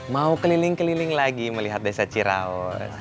mau keliling keliling lagi melihat desa ciraus